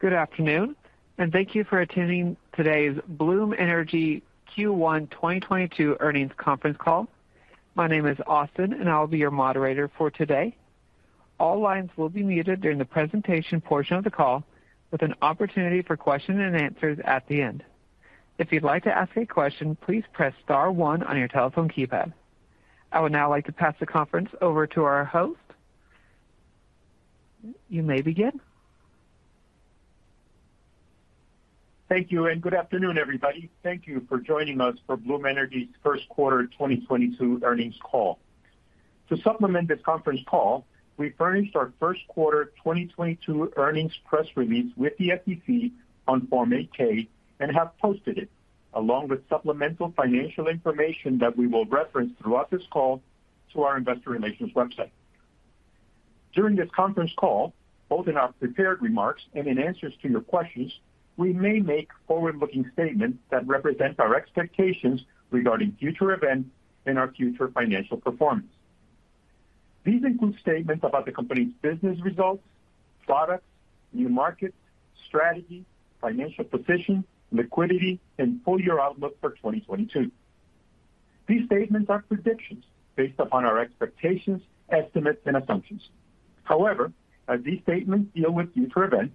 Good afternoon and thank you for attending today's Bloom Energy Q1 2022 earnings conference call. My name is Austin and I'll be your moderator for today. All lines will be muted during the presentation portion of the call, with an opportunity for questions and answers at the end. If you'd like to ask a question, please press star one on your telephone keypad. I would now like to pass the conference over to our host. You may begin. Thank you, and good afternoon, everybody. Thank you for joining us for Bloom Energy's Q1 2022 earnings call. To supplement this conference call, we furnished our Q1 2022 earnings press release with the SEC on Form 8-K and have posted it, along with supplemental financial information that we will reference throughout this call to our investor relations website. During this conference call, both in our prepared remarks and in answers to your questions, we may make forward-looking statements that represent our expectations regarding future events and our future financial performance. These include statements about the company's business results, products, new markets, strategy, financial position, liquidity, and full year outlook for 2022. These statements are predictions based upon our expectations, estimates, and assumptions. However, as these statements deal with future events,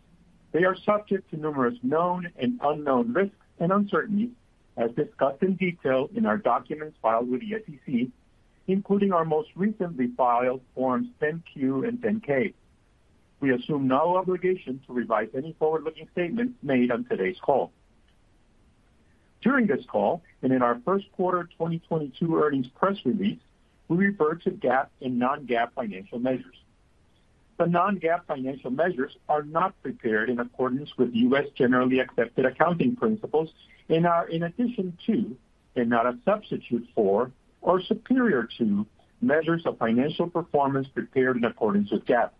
they are subject to numerous known and unknown risks and uncertainties as discussed in detail in our documents filed with the SEC, including our most recently filed Forms 10-Q and 10-K. We assume no obligation to revise any forward-looking statements made on today's call. During this call, and in our Q1 2022 earnings press release, we refer to GAAP and non-GAAP financial measures. The non-GAAP financial measures are not prepared in accordance with U.S. generally accepted accounting principles and are in addition to, and not a substitute for, or superior to, measures of financial performance prepared in accordance with GAAP.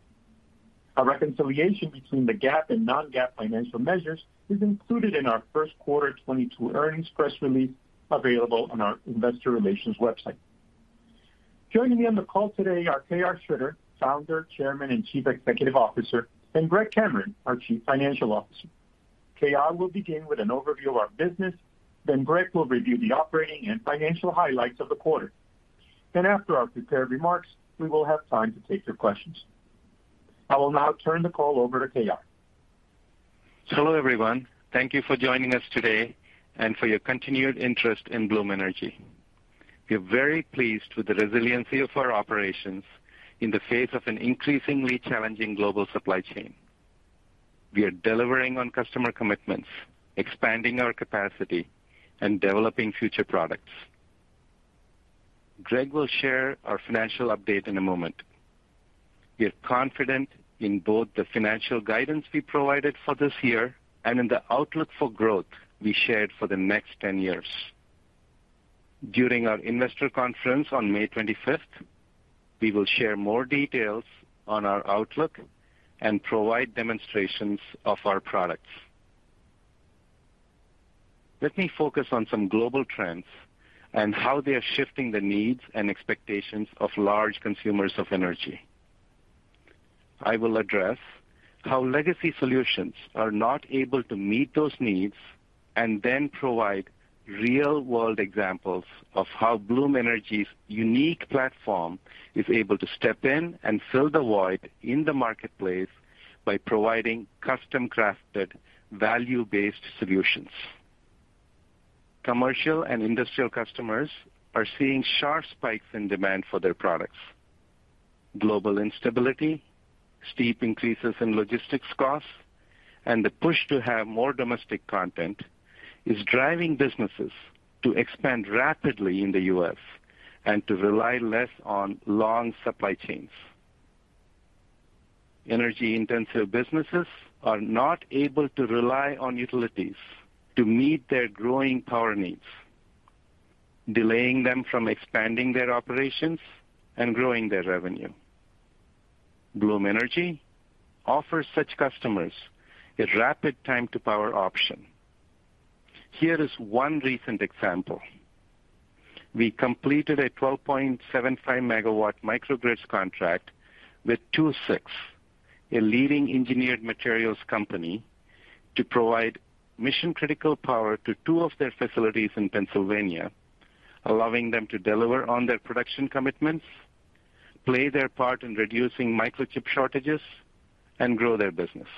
A reconciliation between the GAAP and non-GAAP financial measures is included in our Q1 2022 earnings press release available on our investor relations website. Joining me on the call today are KR Sridhar, Founder, Chairman, and Chief Executive Officer, and Greg Cameron, our Chief Financial Officer. KR will begin with an overview of our business, then Greg will review the operating and financial highlights of the quarter. After our prepared remarks, we will have time to take your questions. I will now turn the call over to KR. Hello, everyone. Thank you for joining us today and for your continued interest in Bloom Energy. We are very pleased with the resiliency of our operations in the face of an increasingly challenging global supply chain. We are delivering on customer commitments, expanding our capacity, and developing future products. Greg will share our financial update in a moment. We are confident in both the financial guidance we provided for this year and in the outlook for growth we shared for the next 10 years. During our investor conference on May 25th, we will share more details on our outlook and provide demonstrations of our products. Let me focus on some global trends and how they are shifting the needs and expectations of large consumers of energy. I will address how legacy solutions are not able to meet those needs and then provide real-world examples of how Bloom Energy's unique platform is able to step in and fill the void in the marketplace by providing custom-crafted, value-based solutions. Commercial and industrial customers are seeing sharp spikes in demand for their products. Global instability, steep increases in logistics costs, and the push to have more domestic content is driving businesses to expand rapidly in the U.S. and to rely less on long supply chains. Energy-intensive businesses are not able to rely on utilities to meet their growing power needs, delaying them from expanding their operations and growing their revenue. Bloom Energy offers such customers a rapid time to power option. Here is one recent example. We completed a 12.75-megawatt microgrids contract with II-VI, a leading engineered materials company, to provide mission-critical power to two of their facilities in Pennsylvania, allowing them to deliver on their production commitments, play their part in reducing microchip shortages, and grow their business.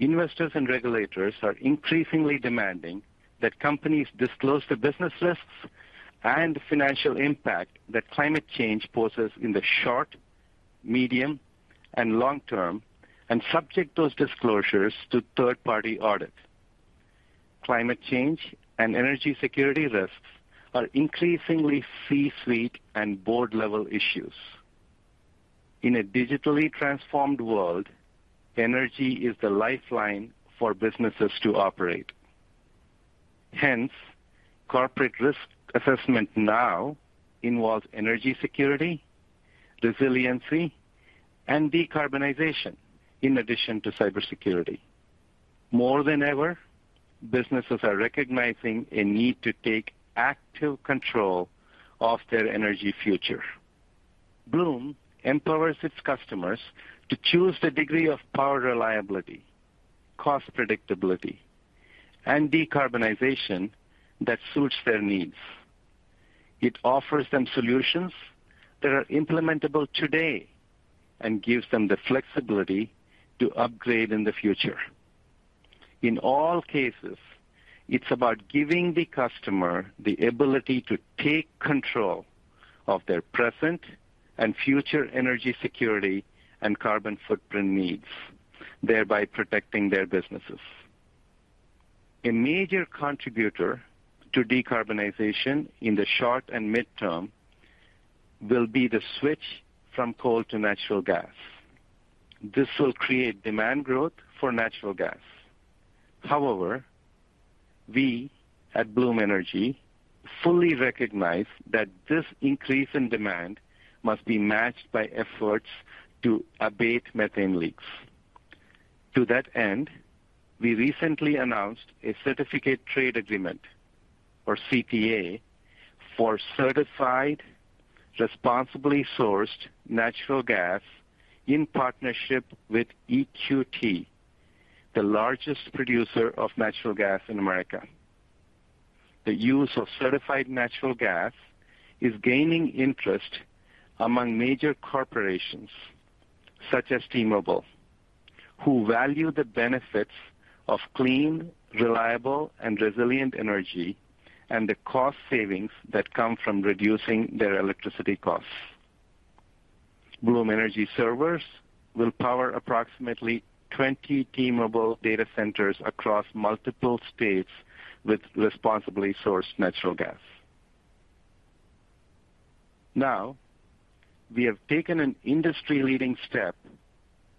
Investors and regulators are increasingly demanding that companies disclose the business risks and financial impact that climate change poses in the short, medium, and long term, and subject those disclosures to third-party audits. Climate change and energy security risks are increasingly C-suite and board-level issues. In a digitally transformed world, energy is the lifeline for businesses to operate. Hence, corporate risk assessment now involves energy security, resiliency, and decarbonization in addition to cybersecurity. More than ever, businesses are recognizing a need to take active control of their energy future. Bloom empowers its customers to choose the degree of power reliability, cost predictability, and decarbonization that suits their needs. It offers them solutions that are implementable today and gives them the flexibility to upgrade in the future. In all cases, it's about giving the customer the ability to take control of their present and future energy security and carbon footprint needs, thereby protecting their businesses. A major contributor to decarbonization in the short and mid-term will be the switch from coal to natural gas. This will create demand growth for natural gas. However, we at Bloom Energy fully recognize that this increase in demand must be matched by efforts to abate methane leaks. To that end, we recently announced a certificate trade agreement, or CTA, for certified, responsibly sourced natural gas in partnership with EQT, the largest producer of natural gas in America. The use of certified natural gas is gaining interest among major corporations such as T-Mobile, who value the benefits of clean, reliable, and resilient energy, and the cost savings that come from reducing their electricity costs. Bloom Energy Servers will power approximately 20 T-Mobile data centers across multiple states with responsibly sourced natural gas. Now, we have taken an industry-leading step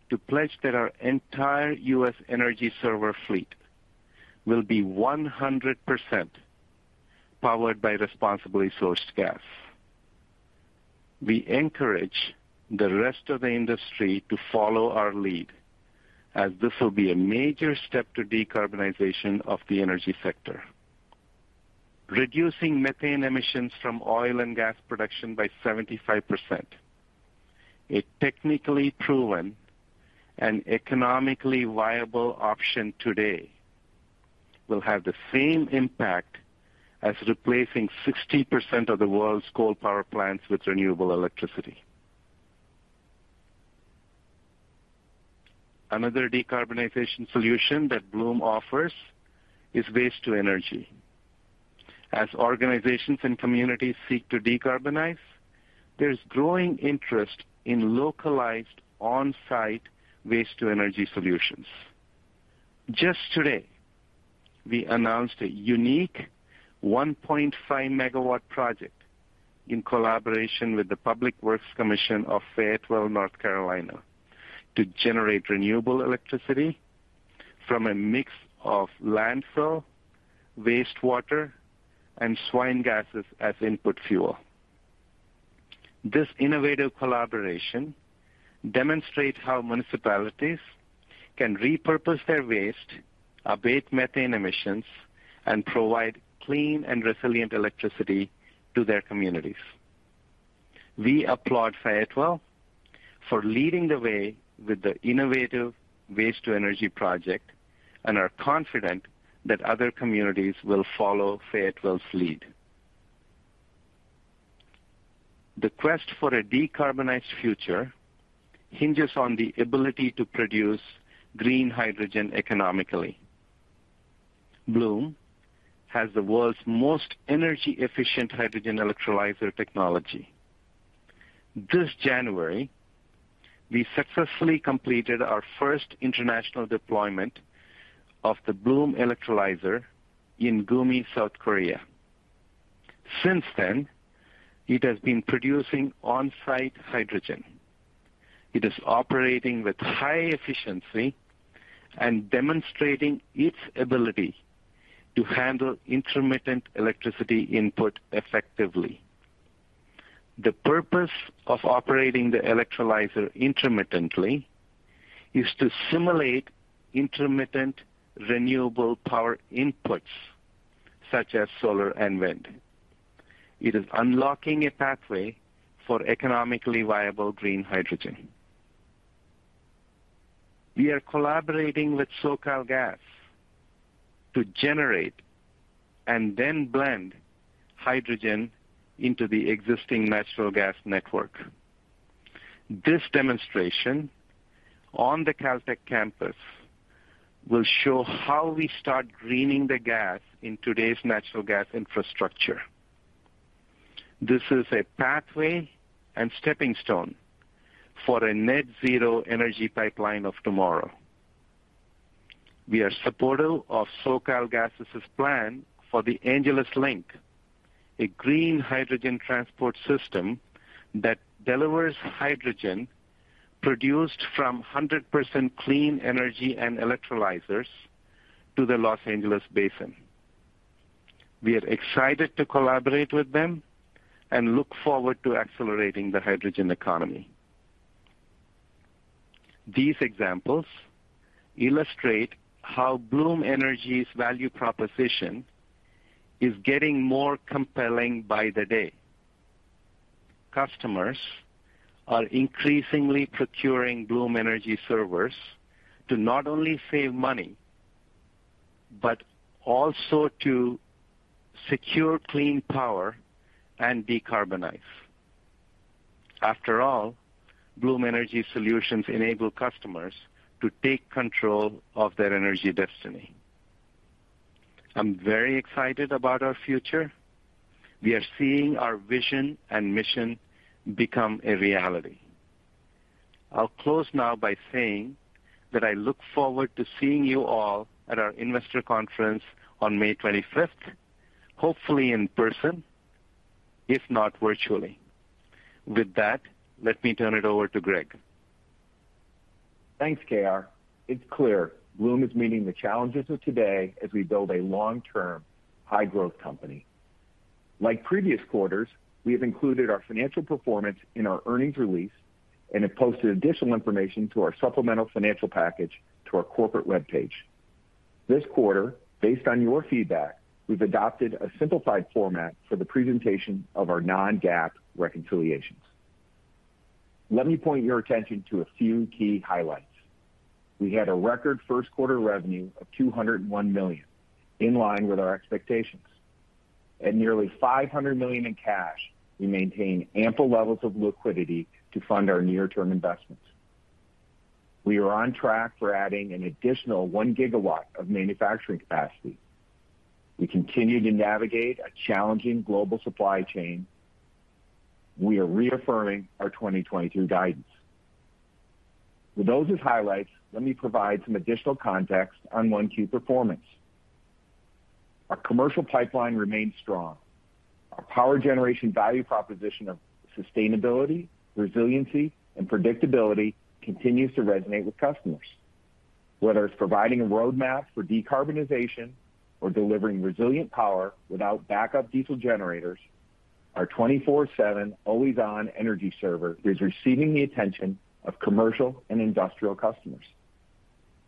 to pledge that our entire U.S. Energy Server fleet will be 100% powered by responsibly sourced gas. We encourage the rest of the industry to follow our lead as this will be a major step to decarbonization of the energy sector. Reducing methane emissions from oil and gas production by 75%, a technically proven and economically viable option today, will have the same impact as replacing 60% of the world's coal power plants with renewable electricity. Another decarbonization solution that Bloom offers is waste to energy. As organizations and communities seek to decarbonize, there is growing interest in localized on-site waste to energy solutions. Just today, we announced a unique 1.5-megawatt project in collaboration with the Fayetteville Public Works Commission, North Carolina, to generate renewable electricity from a mix of landfill, wastewater, and swine gases as input fuel. This innovative collaboration demonstrates how municipalities can repurpose their waste, abate methane emissions, and provide clean and resilient electricity to their communities. We applaud Fayetteville for leading the way with the innovative waste to energy project and are confident that other communities will follow Fayetteville's lead. The quest for a decarbonized future hinges on the ability to produce green hydrogen economically. Bloom has the world's most energy-efficient hydrogen electrolyzer technology. This January, we successfully completed our first international deployment of the Bloom Electrolyzer in Gumi, South Korea. Since then, it has been producing on-site hydrogen. It is operating with high efficiency and demonstrating its ability to handle intermittent electricity input effectively. The purpose of operating the electrolyzer intermittently is to simulate intermittent renewable power inputs such as solar and wind. It is unlocking a pathway for economically viable green hydrogen. We are collaborating with SoCalGas to generate and then blend hydrogen into the existing natural gas network. This demonstration on the Caltech campus will show how we start greening the gas in today's natural gas infrastructure. This is a pathway and steppingstone for a net zero energy pipeline of tomorrow. We are supportive of SoCalGas's plan for the Angeles Link, a green hydrogen transport system that delivers hydrogen produced from 100% clean energy and electrolyzers to the Los Angeles Basin. We are excited to collaborate with them and look forward to accelerating the hydrogen economy. These examples illustrate how Bloom Energy's value proposition is getting more compelling by the day. Customers are increasingly procuring Bloom Energy Servers to not only save money, but also to secure clean power and decarbonize. After all, Bloom Energy Solutions enable customers to take control of their energy destiny. I'm very excited about our future. We are seeing our vision and mission become a reality. I'll close now by saying that I look forward to seeing you all at our investor conference on May 25th, hopefully in person, if not, virtually. With that, let me turn it over to Greg. Thanks, KR. It's clear Bloom is meeting the challenges of today as we build a long-term, high-growth company. Like previous quarters, we have included our financial performance in our earnings release and have posted additional information to our supplemental financial package to our corporate web page. This quarter, based on your feedback, we've adopted a simplified format for the presentation of our non-GAAP reconciliations. Let me point your attention to a few key highlights. We had a record Q1 revenue of $201 million, in line with our expectations. At nearly $500 million in cash, we maintain ample levels of liquidity to fund our near-term investments. We are on track for adding an additional 1 gigawatt of manufacturing capacity. We continue to navigate a challenging global supply chain. We are reaffirming our 2022 guidance. With those as highlights, let me provide some additional context on one key performance. Our commercial pipeline remains strong. Our power generation value proposition of sustainability, resiliency, and predictability continues to resonate with customers. Whether it's providing a roadmap for decarbonization or delivering resilient power without backup diesel generators, our 24/7 always-on Energy Server is receiving the attention of commercial and industrial customers.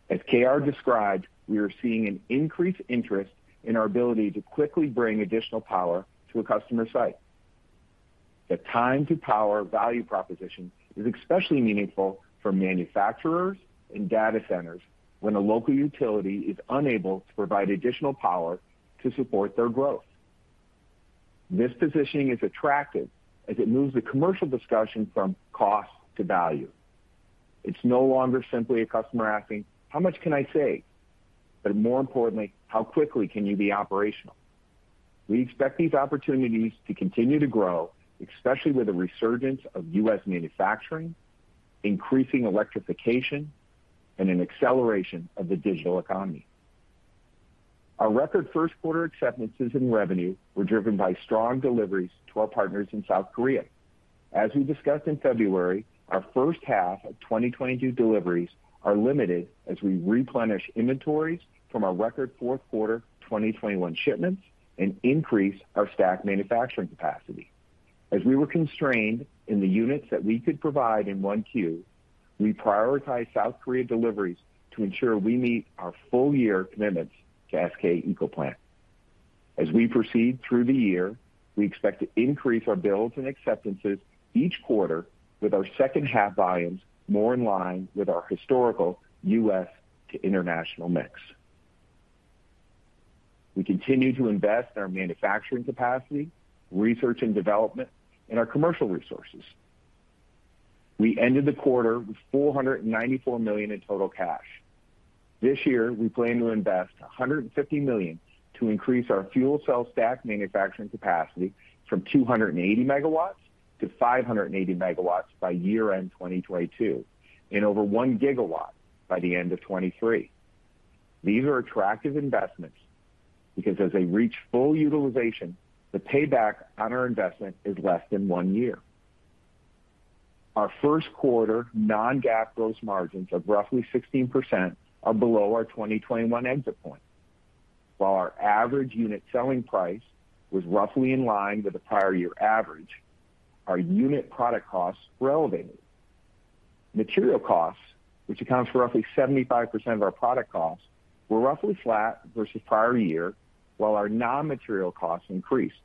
As KR described, we are seeing an increased interest in our ability to quickly bring additional power to a customer site. The time to power value proposition is especially meaningful for manufacturers and data centers when a local utility is unable to provide additional power to support their growth. This positioning is attractive as it moves the commercial discussion from cost to value. It's no longer simply a customer asking, "How much can I save?" More importantly, "How quickly can you be operational?" We expect these opportunities to continue to grow, especially with the resurgence of U.S. manufacturing, increasing electrification, and an acceleration of the digital economy. Our record Q1 acceptances and revenue were driven by strong deliveries to our partners in South Korea. As we discussed in February, our H1 of 2022 deliveries are limited as we replenish inventories from our record Q4 2021 shipments and increase our stack manufacturing capacity. As we were constrained in the units that we could provide in 1Q, we prioritize South Korea deliveries to ensure we meet our full year commitments to SK ecoplant. As we proceed through the year, we expect to increase our builds and acceptances each quarter with our H2 volumes more in line with our historical U.S. to international mix. We continue to invest in our manufacturing capacity, research and development, and our commercial resources. We ended the quarter with $494 million in total cash. This year, we plan to invest $150 million to increase our fuel cell stack manufacturing capacity from 280 megawatts to 580 megawatts by year-end 2022, and over 1 gigawatt by the end of 2023. These are attractive investments because as they reach full utilization, the payback on our investment is less than one year. Our Q1 non-GAAP gross margins of roughly 16% are below our 2021 exit point. While our average unit selling price was roughly in line with the prior year average, our unit product costs were elevated. Material costs, which accounts for roughly 75% of our product costs, were roughly flat versus prior year, while our non-material costs increased.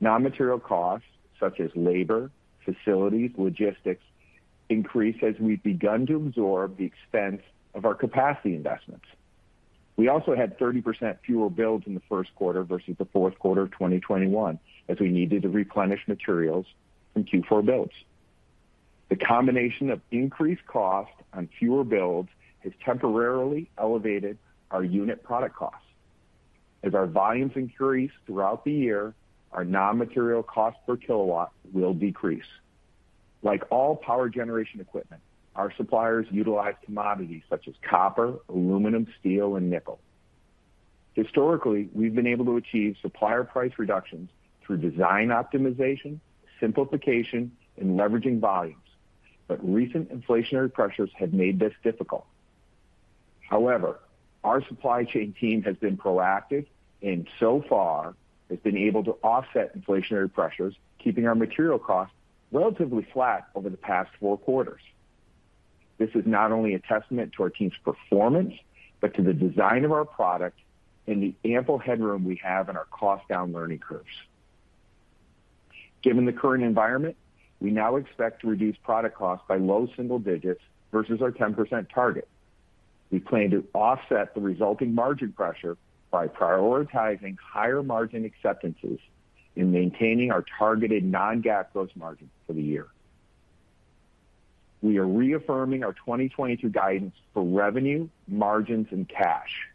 Non-material costs such as labor, facilities, logistics increased as we've begun to absorb the expense of our capacity investments. We also had 30% fewer builds in the Q1 versus the Q4 of 2021, as we needed to replenish materials from Q4 builds. The combination of increased cost on fewer builds has temporarily elevated our unit product costs. As our volumes increase throughout the year, our non-material cost per kilowatt will decrease. Like all power generation equipment, our suppliers utilize commodities such as copper, aluminum, steel, and nickel. Historically, we've been able to achieve supplier price reductions through design optimization, simplification, and leveraging volumes. Recent inflationary pressures have made this difficult. However, our supply chain team has been proactive and so far has been able to offset inflationary pressures, keeping our material costs relatively flat over the past four quarters. This is not only a testament to our team's performance, but to the design of our product and the ample headroom we have in our cost down learning curves. Given the current environment, we now expect to reduce product costs by low single digits versus our 10% target. We plan to offset the resulting margin pressure by prioritizing higher margin acceptances in maintaining our targeted non-GAAP gross margin for the year. We are reaffirming our 2022 guidance for revenue, margins, and cash.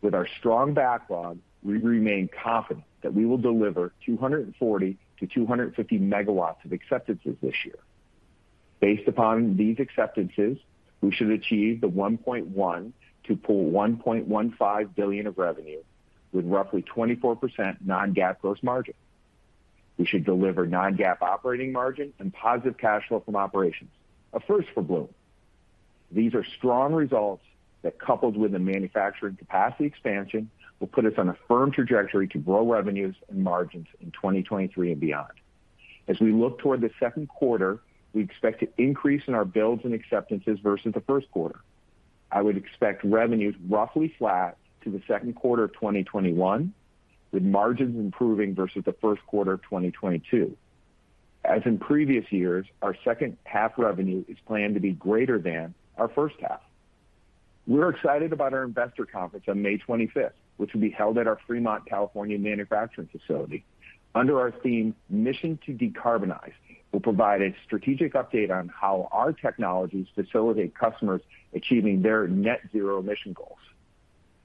With our strong backlog, we remain confident that we will deliver 240 to 250 megawatts of acceptances this year. Based upon these acceptances, we should achieve the $1.1 to 1.15 billion of revenue with roughly 24% non-GAAP gross margin. We should deliver non-GAAP operating margin and positive cash flow from operations, a first for Bloom. These are strong results that, coupled with the manufacturing capacity expansion, will put us on a firm trajectory to grow revenues and margins in 2023 and beyond. As we look toward the Q2, we expect an increase in our builds and acceptances versus the Q1. I would expect revenues roughly flat to the Q2 of 2021, with margins improving versus the Q1 of 2022. As in previous years, our H2 revenue is planned to be greater than our H1. We're excited about our investor conference on May 25th, which will be held at our Fremont, California, manufacturing facility. Under our theme, Mission to Decarbonize, we'll provide a strategic update on how our technologies facilitate customers achieving their net zero emission goals.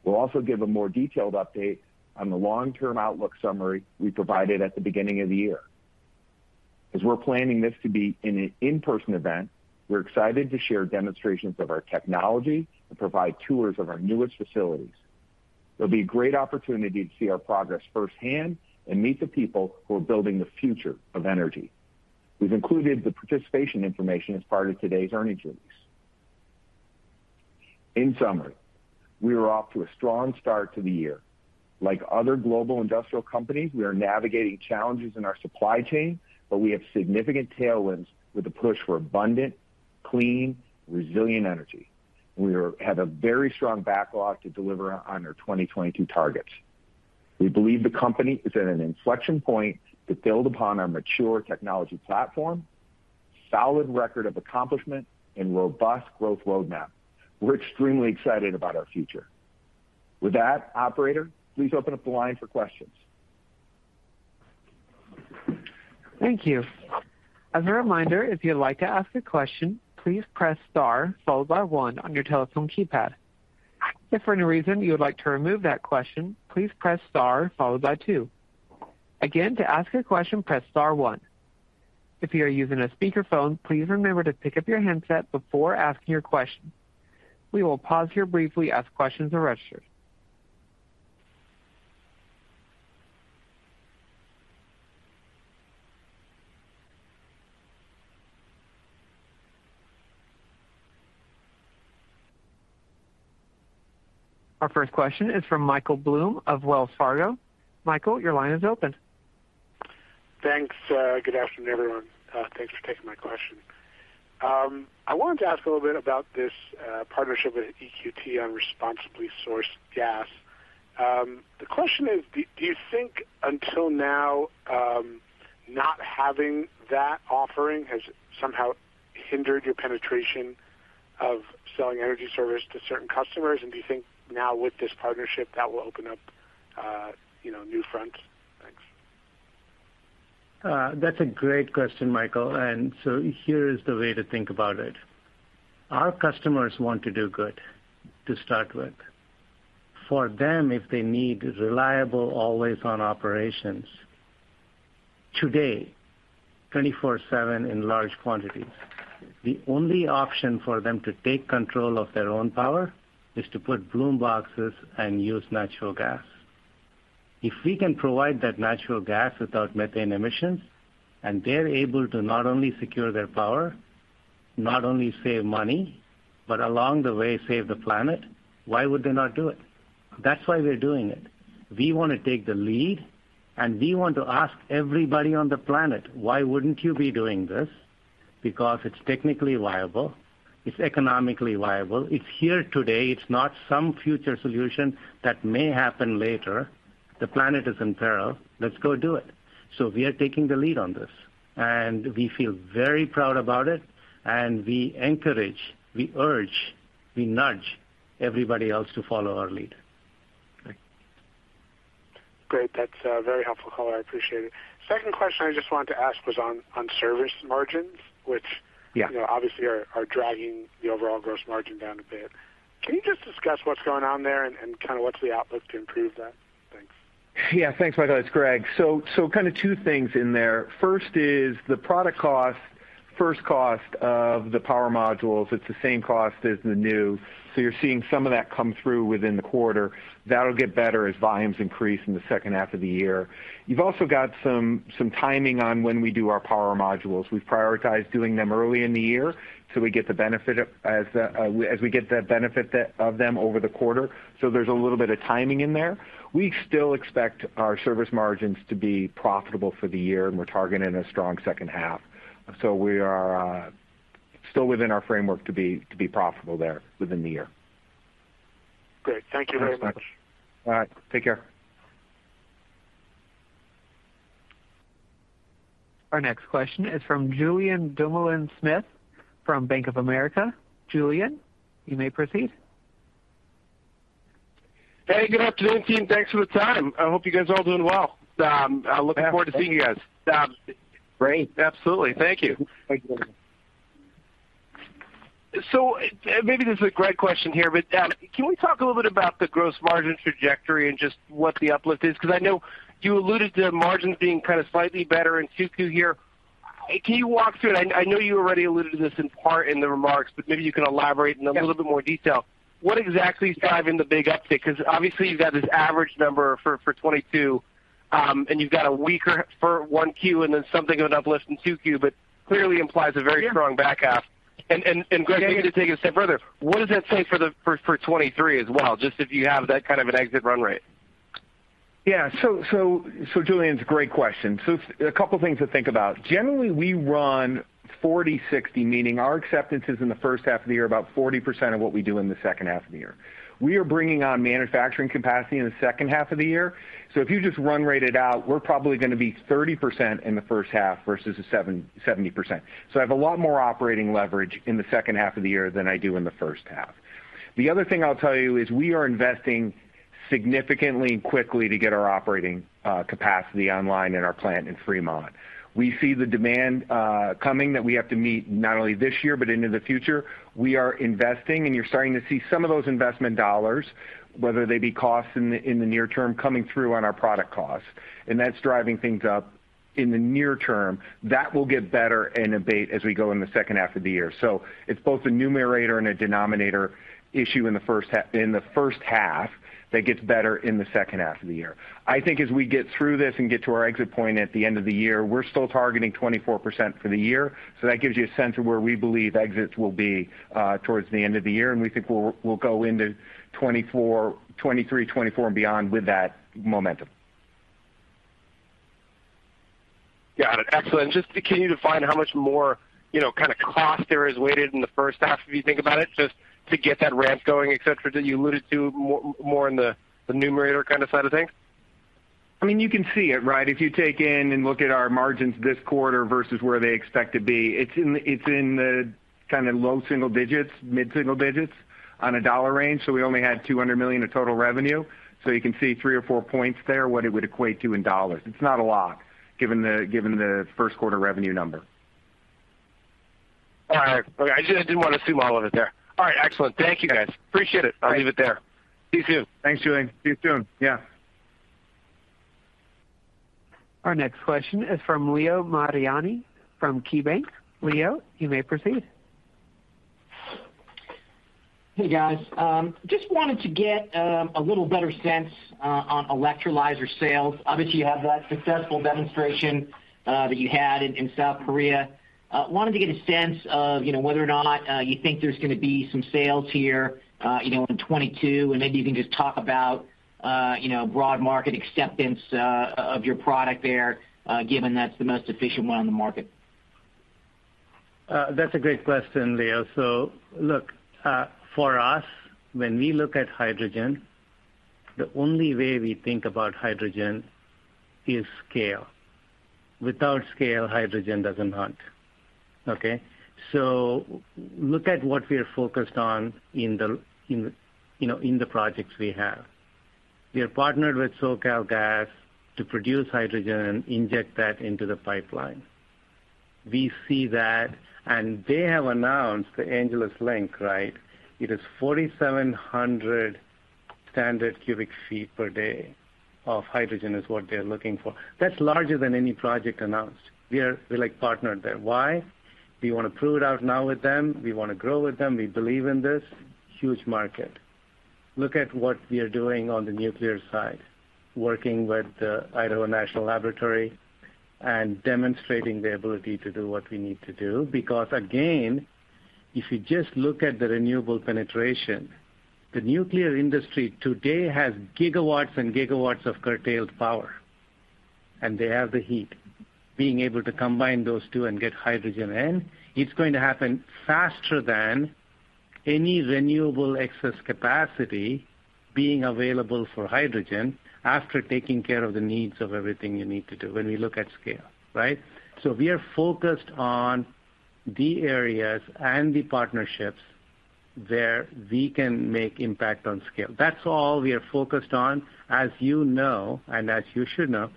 We'll also give a more detailed update on the long-term outlook summary we provided at the beginning of the year. As we're planning this to be an in-person event, we're excited to share demonstrations of our technology and provide tours of our newest facilities. It'll be a great opportunity to see our progress firsthand and meet the people who are building the future of energy. We've included the participation information as part of today's earnings release. In summary, we are off to a strong start to the year. Like other global industrial companies, we are navigating challenges in our supply chain, but we have significant tailwinds with the push for abundant, clean, resilient energy. We have a very strong backlog to deliver on our 2022 targets. We believe the company is at an inflection point to build upon our mature technology platform, solid record of accomplishment, and robust growth roadmap. We're extremely excited about our future. With that, operator, please open up the line for questions. Thank you. As a reminder, if you'd like to ask a question, please press star followed by one on your telephone keypad. If for any reason you would like to remove that question, please press star followed by two. Again, to ask a question, press star one. If you are using a speakerphone, please remember to pick up your handset before asking your question. We will pause here briefly as questions are registered. Our first question is from Michael Blum of Wells Fargo. Michael, your line is open. Thanks. Good afternoon, everyone. Thanks for taking my question. I wanted to ask a little bit about this partnership with EQT on responsibly sourced gas. The question is, do you think until now not having that offering has somehow hindered your penetration of selling Energy Server to certain customers? Do you think now with this partnership that will open up, you know, new fronts? Thanks. That's a great question, Michael. Here is the way to think about it. Our customers want to do good to start with. For them, if they need reliable always-on operations today, 24/7 in large quantities, the only option for them to take control of their own power is to put Bloom Box and use natural gas. If we can provide that natural gas without methane emissions, and they're able to not only secure their power, not only save money, but along the way, save the planet, why would they not do it? That's why we're doing it. We want to take the lead, and we want to ask everybody on the planet, why wouldn't you be doing this? Because it's technically viable. It's economically viable. It's here today. It's not some future solution that may happen later. The planet is in peril. Let's go do it. We are taking the lead on this, and we feel very proud about it. We encourage, we urge, we nudge everybody else to follow our lead. Great. That's a very helpful call. I appreciate it. Second question I just wanted to ask was on service margins, which Yeah. You know, obviously are dragging the overall gross margin down a bit. Can you just discuss what's going on there and kind of what's the outlook to improve that? Thanks. Yeah. Thanks, Michael. It's Greg. Kind of two things in there. First is the product cost First cost of the power modules, it's the same cost as the new, so you're seeing some of that come through within the quarter. That'll get better as volumes increase in the H2 of the year. You've also got some timing on when we do our power modules. We've prioritized doing them early in the year, so we get the benefit of them over the quarter. There's a little bit of timing in there. We still expect our service margins to be profitable for the year, and we're targeting a strong H2. We are still within our framework to be profitable there within the year. Great. Thank you very much. Thanks so much. All right. Take care. Our next question is from Julien Dumoulin-Smith from Bank of America. Julian, you may proceed. Hey, good afternoon, team. Thanks for the time. I hope you guys are all doing well. I look forward to seeing you guys. Great. Absolutely. Thank you. Thank you. Maybe this is a Greg question here, but can we talk a little bit about the gross margin trajectory and just what the uplift is? Because I know you alluded to margins being kind of slightly better in Q2 here. Can you walk through it? I know you already alluded to this in part in the remarks, but maybe you can elaborate in a little bit more detail. What exactly is driving the big uptick? Because obviously you've got this average number for 2022, and you've got a weaker Q1 and then something of an uplift in Q2 but clearly implies a very strong back half. Greg, maybe to take it a step further, what does that say for 2023 as well, just if you have that kind of an exit run rate? Yeah. Julien, it's a great question. A couple of things to think about. Generally, we run 40/60, meaning our acceptance is in the H1 of the year, about 40% of what we do in the H2 of the year. We are bringing on manufacturing capacity in the H2 of the year. If you just run rate, it out, we're probably gonna be 30% in the H1 versus 70%. I have a lot more operating leverage in the H2 of the year than I do in the H1. The other thing I'll tell you is we are investing significantly and quickly to get our operating capacity online in our plant in Fremont. We see the demand coming that we have to meet not only this year but into the future. We are investing, and you're starting to see some of those investment dollars, whether they be costs in the near term, coming through on our product costs. That's driving things up in the near term. That will get better and abate as we go in the H2 of the year. It's both a numerator and a denominator issue in the H1 that gets better in the H2 of the year. I think as we get through this and get to our exit point at the end of the year, we're still targeting 24% for the year. That gives you a sense of where we believe exits will be towards the end of the year, and we think we'll go into 2023, 2024, and beyond with that momentum. Got it. Excellent. Just can you define how much more, you know, kind of cost there is weighted in the H1, if you think about it, just to get that ramp going, et cetera, that you alluded to more in the numerator kind of side of things? I mean, you can see it, right? If you take in and look at our margins this quarter versus where they expect to be, it's in the kind of low single digits, mid-single digits on a dollar range. We only had $200 million of total revenue. You can see 3 or 4 points there, what it would equate to in dollars. It's not a lot given the Q1 revenue number. All right. Okay. I just did want to see all of it there. All right. Excellent. Thank you, guys. Appreciate it. I'll leave it there. See you soon. Thanks, Julien. See you soon. Yeah. Our next question is from Leo Mariani from KeyBanc. Leo, you may proceed. Hey, guys. Just wanted to get a little better sense on electrolyzer sales. Obviously, you have that successful demonstration that you had in South Korea. Wanted to get a sense of, you know, whether or not you think there's gonna be some sales here, you know, in 2022, and maybe you can just talk about, you know, broad market acceptance of your product there, given that's the most efficient one on the market. That's a great question, Leo. Look, for us, when we look at hydrogen, the only way we think about hydrogen is scale. Without scale, hydrogen doesn't hunt. Okay? Look at what we are focused on in, you know, in the projects we have. We are partnered with SoCalGas to produce hydrogen, inject that into the pipeline. We see that, and they have announced the Angeles Link, right? It is 4,700 standard cubic feet per day of hydrogen is what they're looking for. That's larger than any project announced. We're, like, partnered there. Why? We wanna prove it out now with them. We wanna grow with them. We believe in this. Huge market. Look at what we are doing on the nuclear side, working with the Idaho National Laboratory and demonstrating the ability to do what we need to do. Because again, if you just look at the renewable penetration, the nuclear industry today has gigawatts and gigawatts of curtailed power, and they have the heat. Being able to combine those two and get hydrogen in, it's going to happen faster than any renewable excess capacity being available for hydrogen after taking care of the needs of everything you need to do when we look at scale, right? We are focused on the areas and the partnerships where we can make impact on scale. That's all we are focused on. As you know, and as you should know,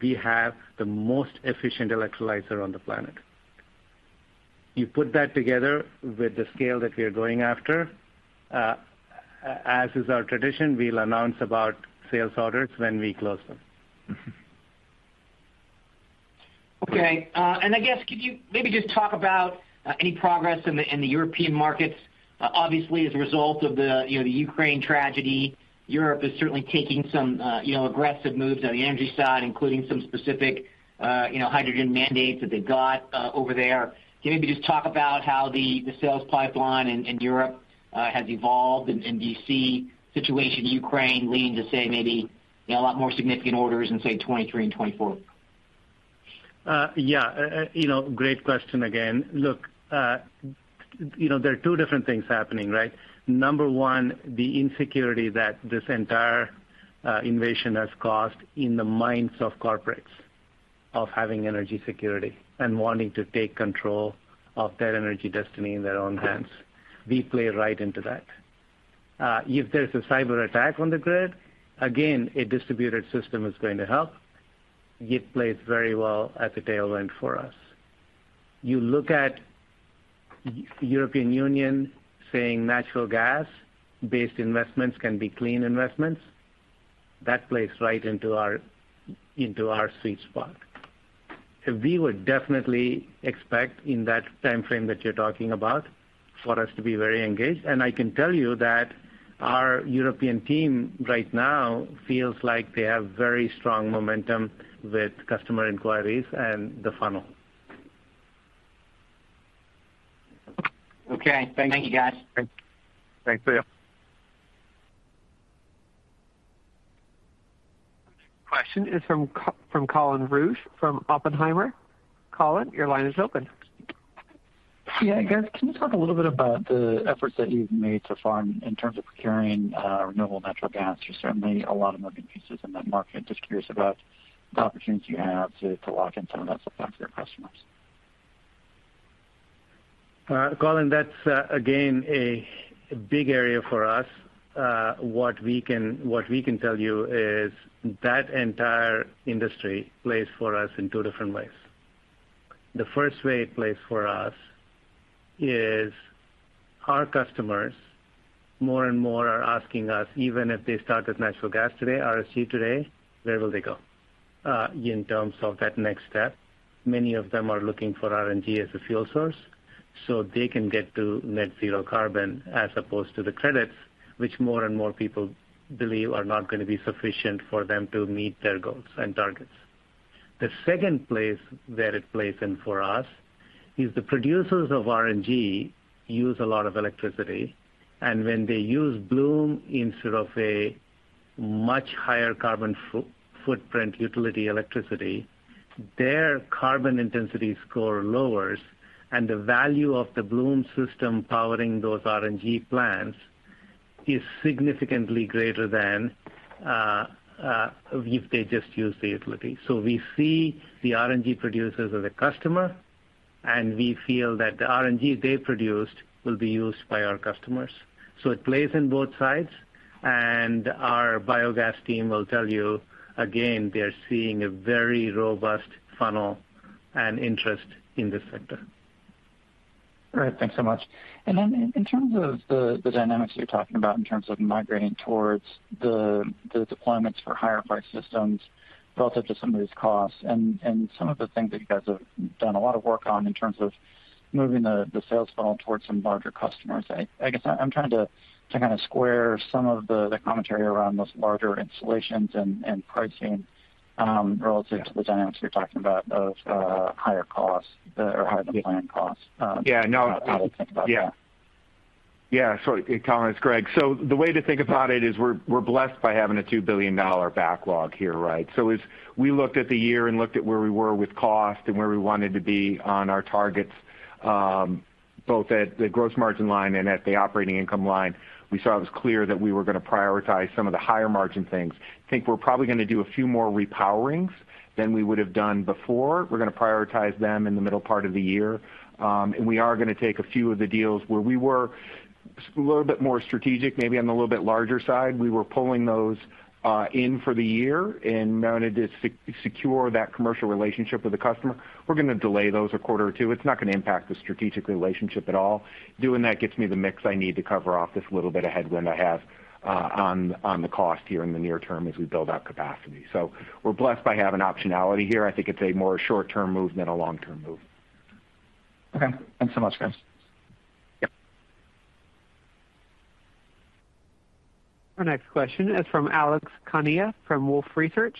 we have the most efficient electrolyzer on the planet. You put that together with the scale that we are going after. As is our tradition, we'll announce about sales orders when we close them. Okay. I guess could you maybe just talk about any progress in the European markets? Obviously, as a result of the you know the Ukraine tragedy, Europe is certainly taking some you know aggressive moves on the energy side, including some specific you know hydrogen mandates that they've got over there. Can you maybe just talk about how the sales pipeline in Europe has evolved, and do you see situation in Ukraine leading to say maybe you know a lot more significant orders in say 2023 and 2024? Yeah. You know, great question again. Look, you know, there are two different things happening, right? Number one, the insecurity that this entire invasion has caused in the minds of corporates of having energy security and wanting to take control of their energy destiny in their own hands. We play right into that. If there's a cyberattack on the grid, again, a distributed system is going to help. It plays very well at the tail end for us. You look at European Union saying natural gas-based investments can be clean investments. That plays right into our sweet spot. We would definitely expect in that timeframe that you're talking about for us to be very engaged, and I can tell you that our European team right now feels like they have very strong momentum with customer inquiries and the funnel. Okay. Thank you, guys. Thanks. Thanks, Leo. Question is from Colin Rusch from Oppenheimer. Colin, your line is open. Yeah. Guys, can you talk a little bit about the efforts that you've made to firm in terms of procuring renewable natural gas? There's certainly a lot of moving parts in that market. Just curious about the opportunities you have to lock in some of that supply for your customers. Colin, that's again a big area for us. What we can tell you is that entire industry plays for us in two different ways. The first way it plays for us is our customers more and more are asking us, even if they start with natural gas today, RSG today, where will they go in terms of that next step. Many of them are looking for RNG as a fuel source, so they can get to net zero carbon as opposed to the credits, which more and more people believe are not gonna be sufficient for them to meet their goals and targets. The second place that it plays in for us is the producers of RNG use a lot of electricity, and when they use Bloom instead of a much higher carbon footprint utility electricity, their carbon intensity score lowers, and the value of the Bloom system powering those RNG plants is significantly greater than if they just use the utility. So we see the RNG producers as a customer, and we feel that the RNG they produced will be used by our customers. So it plays in both sides. Our biogas team will tell you, again, they're seeing a very robust funnel and interest in this sector. All right. Thanks so much. In terms of the dynamics you're talking about in terms of migrating towards the deployments for higher price systems relative to some of these costs and some of the things that you guys have done a lot of work on in terms of moving the sales funnel towards some larger customers. I guess I'm trying to kind of square some of the commentary around those larger installations and pricing relative to the dynamics you're talking about of higher costs or higher deployment costs. Yeah. No. How to think about that. Yeah. Yeah. Colin, it's Greg. The way to think about it is we're blessed by having a $2 billion backlog here, right? As we looked at the year and looked at where we were with cost and where we wanted to be on our targets, both at the gross margin line and at the operating income line, we saw it was clear that we were gonna prioritize some of the higher margin things. I think we're probably gonna do a few more repowerings than we would have done before. We're gonna prioritize them in the middle part of the year. And we are gonna take a few of the deals where we were a little bit more strategic, maybe on the little bit larger side. We were pulling those in for the year in order to secure that commercial relationship with the customer. We're gonna delay those a quarter or two. It's not gonna impact the strategic relationship at all. Doing that gets me the mix I need to cover off this little bit of headwind I have on the cost here in the near term as we build out capacity. We're blessed by having optionality here. I think it's a more short-term move than a long-term move. Okay. Thanks so much, guys. Yep. Our next question is from Alex Kania from Wolfe Research.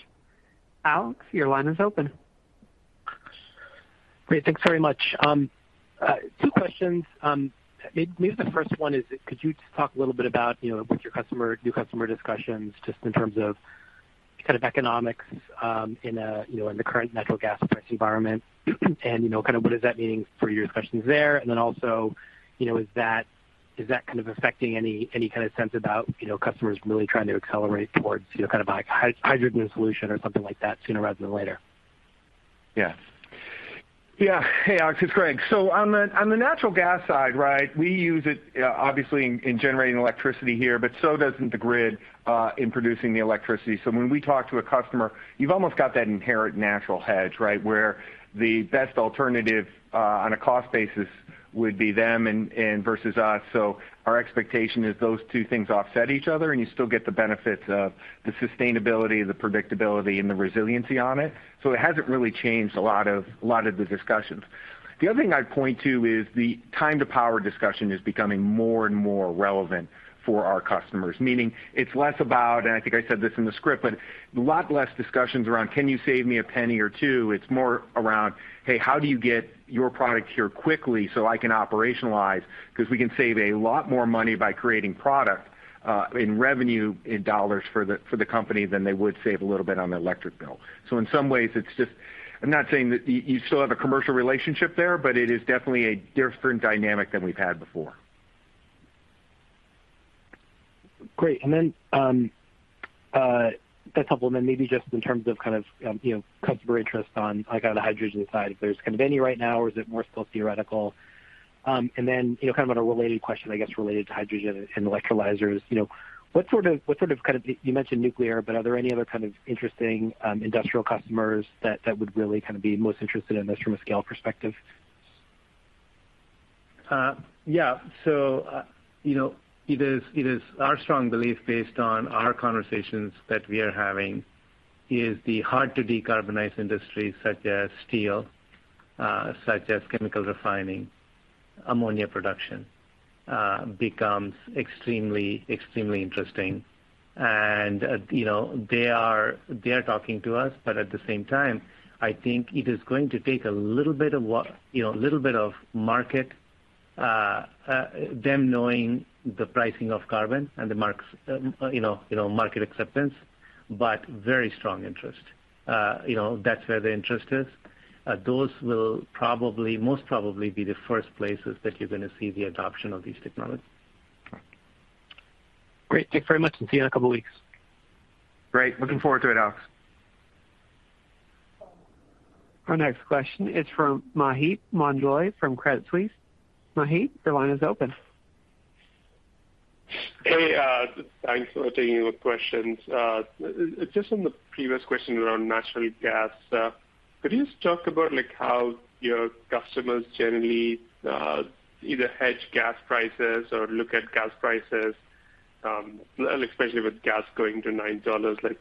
Alex, your line is open. Great. Thanks very much. Two questions. Maybe the first one is, could you just talk a little bit about, you know, with your customer, new customer discussions, just in terms of kind of economics, you know, in the current natural gas price environment? And, you know, kind of what is that meaning for your discussions there? And then also, you know, is that, is that kind of affecting any kind of sense about, you know, customers really trying to accelerate towards, you know, kind of like hydrogen solution or something like that sooner rather than later? Yeah. Yeah. Hey, Alex, it's Greg. On the natural gas side, right, we use it obviously in generating electricity here but doesn't the grid in producing the electricity. When we talk to a customer, you've almost got that inherent natural hedge, right, where the best alternative on a cost basis Would be them and versus us. Our expectation is those two things offset each other, and you still get the benefits of the sustainability, the predictability, and the resiliency on it. It hasn't really changed a lot of the discussions. The other thing I'd point to is the time to power discussion is becoming more and more relevant for our customers. Meaning it's less about, and I think I said this in the script, but a lot less discussions around, can you save me a penny or two? It's more around, hey, how do you get your product here quickly so I can operationalize? Because we can save a lot more money by creating product in revenue, in dollars for the company than they would save a little bit on their electric bill. In some ways, it's just—I'm not saying that you still have a commercial relationship there, but it is definitely a different dynamic than we've had before. Great. To supplement maybe just in terms of kind of, you know, customer interest on like on the hydrogen side, if there's kind of any right now or is it more still theoretical? You know, kind of on a related question, I guess, related to hydrogen and electrolyzers, you know, you mentioned nuclear, but are there any other kind of interesting, industrial customers that would really kind of be most interested in this from a scale perspective? Yeah. You know, it is our strong belief based on our conversations that we are having is the hard to decarbonize industries such as steel, such as chemical refining, ammonia production, becomes extremely interesting. You know, they are talking to us, but at the same time, I think it is going to take a little bit of work, you know, a little bit of market, them knowing the pricing of carbon and the markets, you know, market acceptance, but very strong interest. You know, that's where the interest is. Those will probably, most probably be the first places that you're gonna see the adoption of these technologies. Great. Thanks very much, and see you in a couple of weeks. Great. Looking forward to it, Alex. Our next question is from Maheep Mandloi from Credit Suisse. Maheep, your line is open. Hey, thanks for taking the questions. Just on the previous question around natural gas, could you just talk about like how your customers generally either hedge gas prices or look at gas prices, and especially with gas going to $9, like,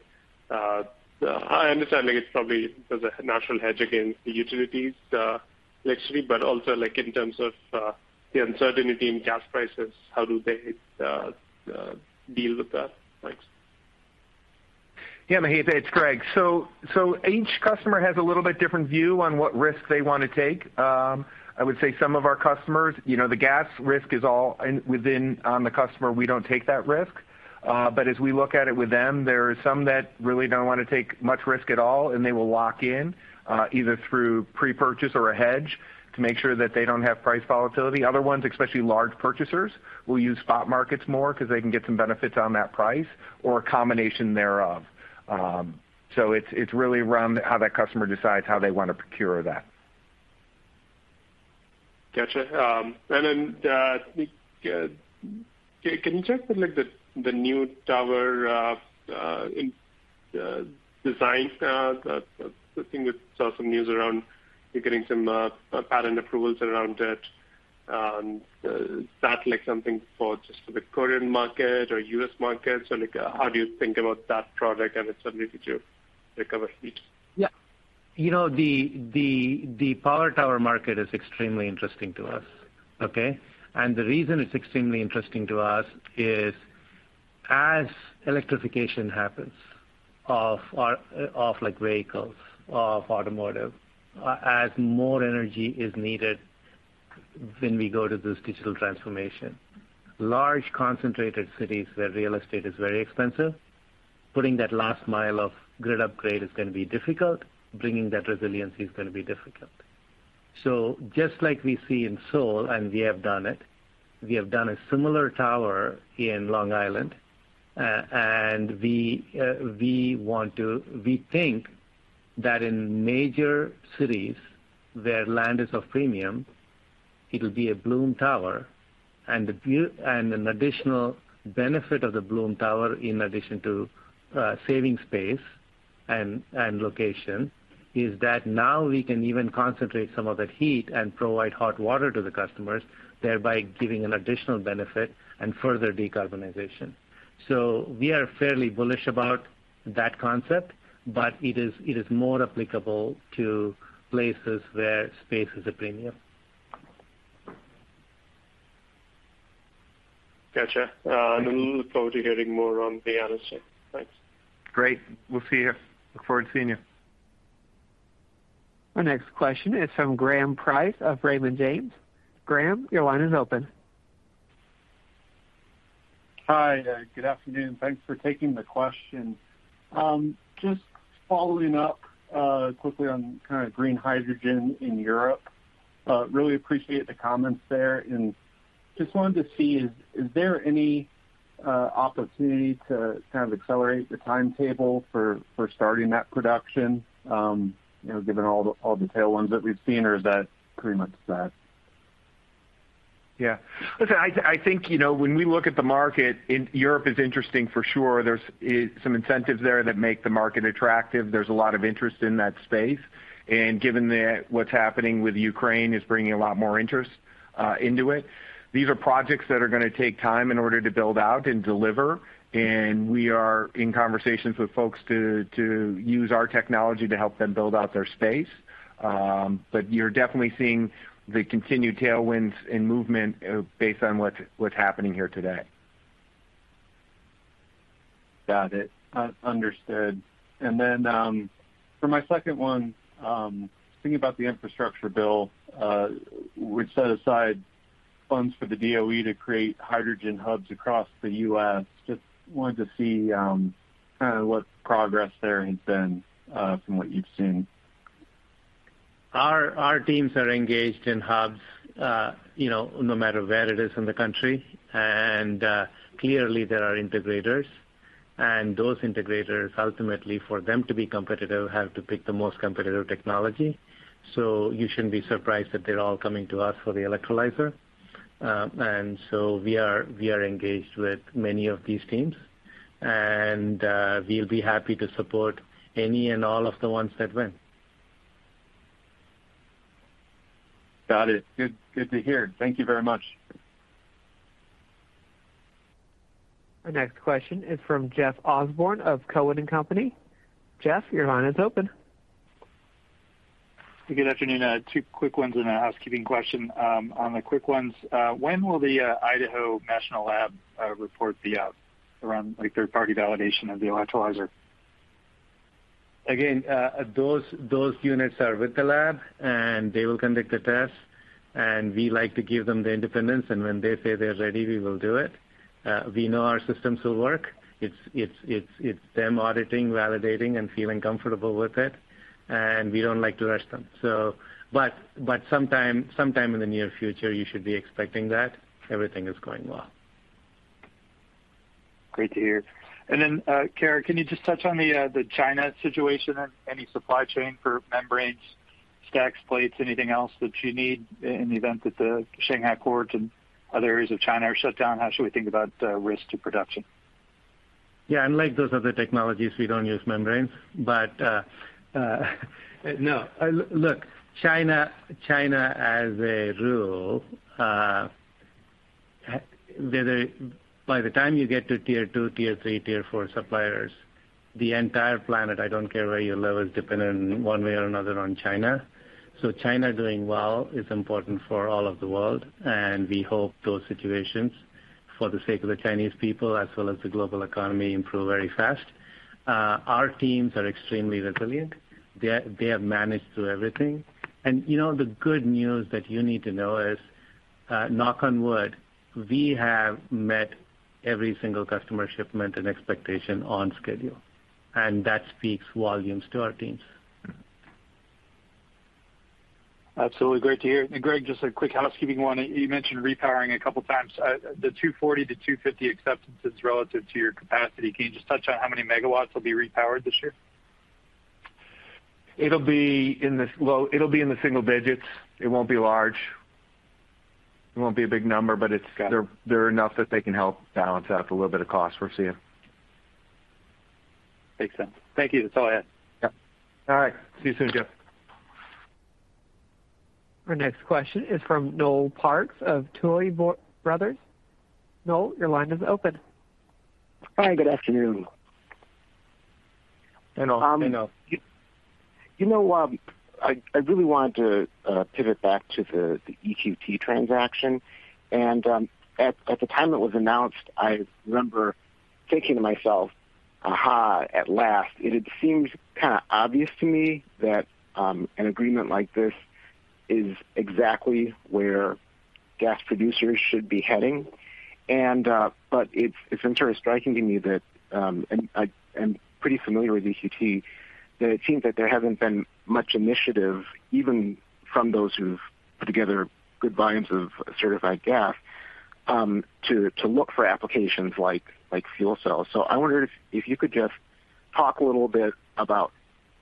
I understand, like it's probably there's a natural hedge against the utilities, actually, but also like in terms of the uncertainty in gas prices, how do they deal with that? Thanks. Yeah, Maheep, it's Greg Cameron. Each customer has a little bit different view on what risk they wanna take. I would say some of our customers, you know, the gas risk is all within, on the customer. We don't take that risk. But as we look at it with them, there are some that really don't wanna take much risk at all, and they will lock in, either through pre-purchase or a hedge to make sure that they don't have price volatility. Other ones, especially large purchasers, will use spot markets more because they can get some benefits on that price or a combination thereof. It's really around how that customer decides how they want to procure that. Gotcha. Can you talk about, like, the new tower design? I think we saw some news around you're getting some patent approvals around it. Is that like something for just the Korean market or U.S. market? Like, how do you think about that product and its ability to recover fees? Yeah. You know, the power tower market is extremely interesting to us. Okay? The reason it's extremely interesting to us is as electrification happens of like vehicles, of automotive, as more energy is needed when we go to this digital transformation, large, concentrated cities where real estate is very expensive, putting that last mile of grid upgrade is gonna be difficult, bringing that resiliency is gonna be difficult. Just like we see in Seoul, and we have done it, we have done a similar tower in Long Island, and we think that in major cities where land is a premium, it'll be a Bloom Tower. An additional benefit of the Bloom Tower, in addition to saving space and location, is that now we can even concentrate some of that heat and provide hot water to the customers, thereby giving an additional benefit and further decarbonization. We are fairly bullish about that concept, but it is more applicable to places where space is a premium. Gotcha. I look forward to hearing more on the analyst check. Thanks. Great. We'll see you. Look forward to seeing you. Our next question is from Pavel Molchanov of Raymond James. Pavel, your line is open. Hi. Good afternoon. Thanks for taking the question. Just following up quickly on kind of green hydrogen in Europe. Really appreciate the comments there and just wanted to see is there any opportunity to kind of accelerate the timetable for starting that production, you know, given all the tailwinds that we've seen, or is that pretty much that? Yeah. Listen, I think, you know, when we look at the market, and Europe is interesting for sure. There's some incentives there that make the market attractive. There's a lot of interest in that space, and given that what's happening with Ukraine is bringing a lot more interest into it. These are projects that are gonna take time in order to build out and deliver, and we are in conversations with folks to use our technology to help them build out their space. You're definitely seeing the continued tailwinds and movement based on what's happening here today. Got it. Understood. For my second one, thinking about the infrastructure bill, which set aside funds for the DOE to create hydrogen hubs across the U.S., just wanted to see, kind a what progress there has been, from what you've seen. Our teams are engaged in hubs, you know, no matter where it is in the country. Clearly there are integrators. Those integrators, ultimately, for them to be competitive, have to pick the most competitive technology. You shouldn't be surprised that they're all coming to us for the electrolyzer. We are engaged with many of these teams. We'll be happy to support any and all of the ones that win. Got it. Good to hear. Thank you very much. Our next question is from Jeff Osborne of TD Cowen. Jeff, your line is open. Good afternoon. Two quick ones and a housekeeping question. On the quick ones, when will the Idaho National Laboratory report the third-party validation of the electrolyzer? Again, those units are with the lab, and they will conduct the test. We like to give them the independence, and when they say they're ready, we will do it. We know our systems will work. It's them auditing, validating and feeling comfortable with it, and we don't like to rush them. Sometime in the near future you should be expecting that. Everything is going well. Great to hear. Then, KR, can you just touch on the China situation and any supply chain for membranes, stacks, plates, anything else that you need in the event that the Shanghai ports and other areas of China are shut down? How should we think about risk to production? Yeah, unlike those other technologies, we don't use membranes. No. Look, China as a rule. By the time you get to tier two, tier three, tier four suppliers, the entire planet, I don't care where you live, is dependent in one way or another on China. China doing well is important for all of the world, and we hope those situations, for the sake of the Chinese people as well as the global economy, improve very fast. Our teams are extremely resilient. They have managed through everything. You know, the good news that you need to know is, knock on wood, we have met every single customer shipment and expectation on schedule, and that speaks volumes to our teams. Absolutely. Great to hear. Greg, just a quick housekeeping one. You mentioned repowering a couple times. The 240 to 250 acceptances relative to your capacity, can you just touch on how many megawatts will be repowered this year? It'll be in the single digits. It won't be large. It won't be a big number, but it's Got it. They're enough that they can help balance out a little bit of cost we're seeing. Makes sense. Thank you. That's all I had. Yep. All right. See you soon, Jeff. Our next question is from Noel Parks of Tuohy Brothers. Noel, your line is open. Hi, good afternoon. You know, I really wanted to pivot back to the EQT transaction. At the time it was announced, I remember thinking to myself, "Aha, at last." It seems kind a obvious to me that an agreement like this is exactly where gas producers should be heading. But it's interestingly striking to me that and I am pretty familiar with EQT, that it seems that there hasn't been much initiative, even from those who've put together good volumes of certified gas, to look for applications like fuel cells. I wondered if you could just talk a little bit about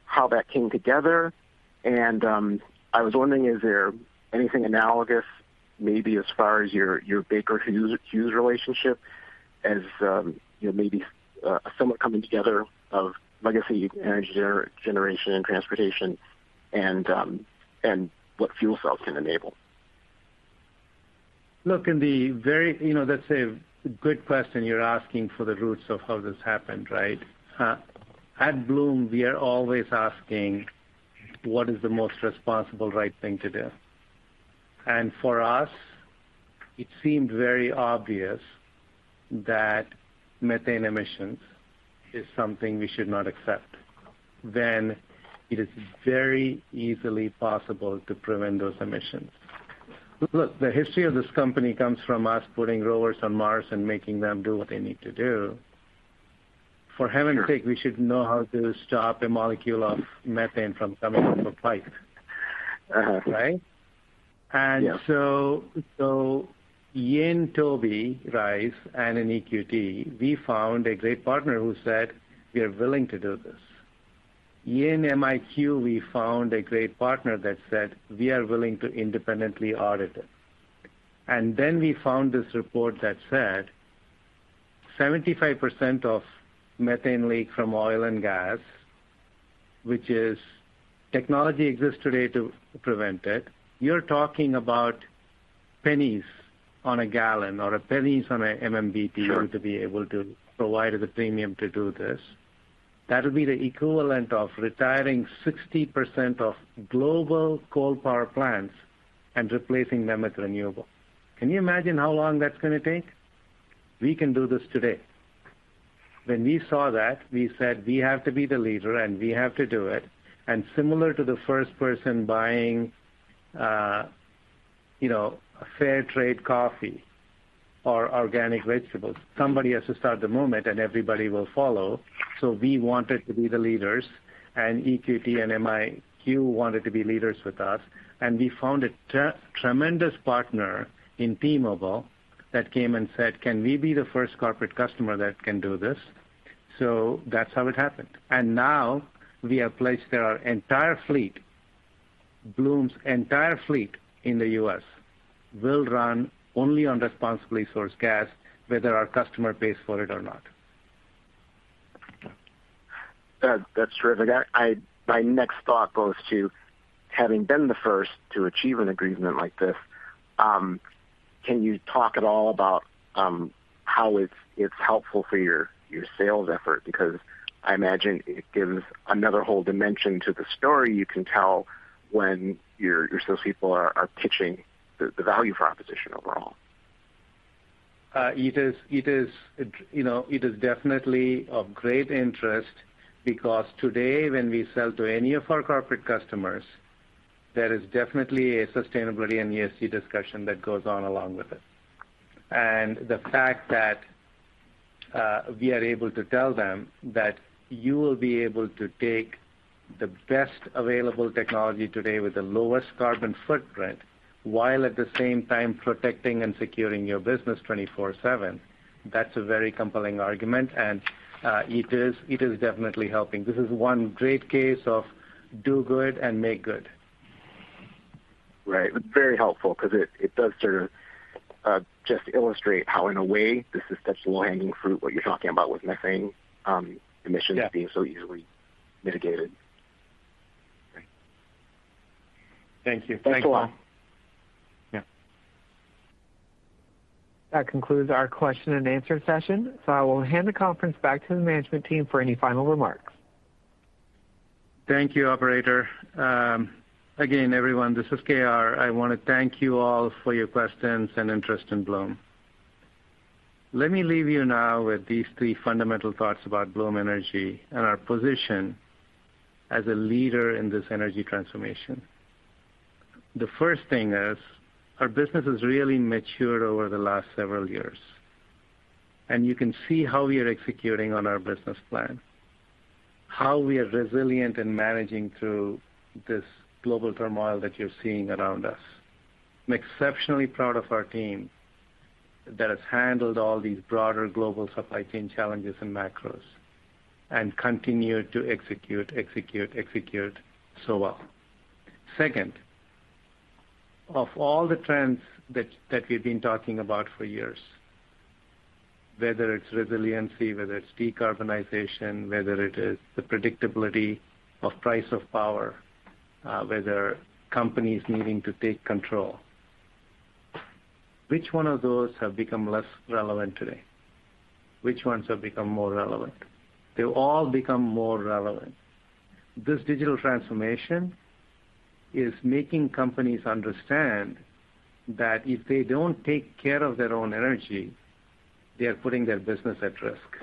how that came together. I was wondering, is there anything analogous maybe as far as your Baker Hughes relationship as you know, maybe somewhat coming together of legacy energy generation and transportation and what fuel cells can enable? Look, You know, that's a good question. You're asking for the roots of how this happened, right? At Bloom, we are always asking what is the most responsible right thing to do. For us, it seemed very obvious that methane emissions is something we should not accept when it is very easily possible to prevent those emissions. Look, the history of this company comes from us putting rovers on Mars and making them do what they need to do. For heaven's sake. Sure We should know how to stop a molecule of methane from coming out of a pipe. Right? Yeah. In Toby Z. Rice and in EQT, we found a great partner who said, "We are willing to do this." In MiQ, we found a great partner that said, "We are willing to independently audit it." We found this report that said 75% of methane leaks from oil and gas, which is technology exists today to prevent it. You're talking about pennies on a gallon or pennies on a MMBtu. Sure To be able to provide the premium to do this. That'll be the equivalent of retiring 60% of global coal power plants and replacing them with renewable. Can you imagine how long that's gonna take? We can do this today. When we saw that, we said, "We have to be the leader, and we have to do it." Similar to the first person buying, you know, fair trade coffee or organic vegetables, somebody has to start the movement, and everybody will follow. We wanted to be the leaders, and EQT and MiQ wanted to be leaders with us. We found a tremendous partner in T-Mobile that came and said, "Can we be the first corporate customer that can do this?" That's how it happened. Now we have placed our entire fleet. Bloom's entire fleet in the U.S. will run only on responsibly sourced gas, whether our customer pays for it or not. That's terrific. My next thought goes to having been the first to achieve an agreement like this. Can you talk at all about how it's helpful for your sales effort? Because I imagine it gives another whole dimension to the story you can tell when your salespeople are pitching the value proposition overall. It is, you know, definitely of great interest because today, when we sell to any of our corporate customers, there is definitely a sustainability and ESG discussion that goes on along with it. The fact that we are able to tell them that you will be able to take the best available technology today with the lowest carbon footprint while at the same time protecting and securing your business 24/7, that's a very compelling argument. It is definitely helping. This is one great case of do good and make good. Right. Very helpful because it does sort of just illustrate how, in a way, this is such low-hanging fruit, what you're talking about with methane emissions. Yeah being so easily mitigated. Great. Thank you. Thanks a lot. Yeah. That concludes our question-and-answer session. I will hand the conference back to the management team for any final remarks. Thank you, operator. Again, everyone, this is KR. I wanna thank you all for your questions and interest in Bloom. Let me leave you now with these three fundamental thoughts about Bloom Energy and our position as a leader in this energy transformation. The first thing is, our business has really matured over the last several years, and you can see how we are executing on our business plan, how we are resilient in managing through this global turmoil that you're seeing around us. I'm exceptionally proud of our team that has handled all these broader global supply chain challenges and macros and continued to execute so well. Second, of all the trends that we've been talking about for years, whether it's resiliency, whether it's decarbonization, whether it is the predictability of price of power, whether companies needing to take control, which one of those have become less relevant today? Which ones have become more relevant? They've all become more relevant. This digital transformation is making companies understand that if they don't take care of their own energy, they are putting their business at risk.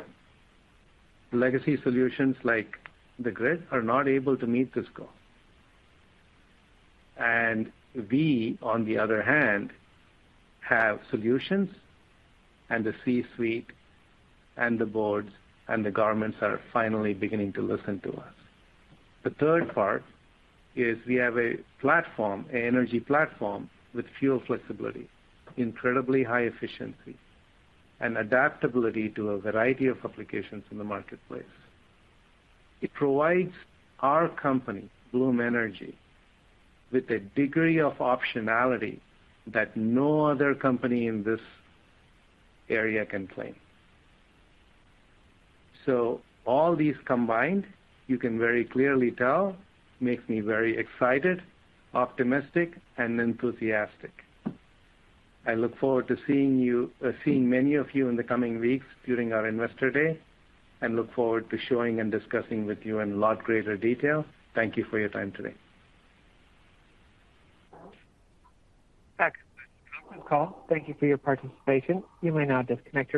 Legacy solutions like the grid are not able to meet this goal. We, on the other hand, have solutions, and the C-suite and the boards and the governments are finally beginning to listen to us. The third part is we have a platform, an energy platform with fuel flexibility, incredibly high efficiency, and adaptability to a variety of applications in the marketplace. It provides our company, Bloom Energy, with a degree of optionality that no other company in this area can claim. All these combined, you can very clearly tell, makes me very excited, optimistic, and enthusiastic. I look forward to seeing many of you in the coming weeks during our Investor Day and look forward to showing and discussing with you in a lot greater detail. Thank you for your time today. Thanks. Conference call, thank you for your participation. You may now disconnect.